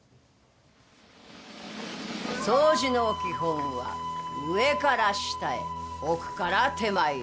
掃除の基本は上から下へ奥から手前へ！